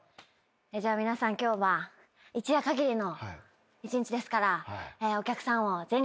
皆さん今日は一夜かぎりの一日ですから。